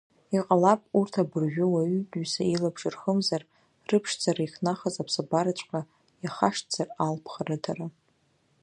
Иҟалап урҭ абыржәы уаҩытәыҩса илаԥш рхымзар, рыԥшӡара ихнахыз аԥсабараҵәҟьа иахашҭзар алԥха рыҭара.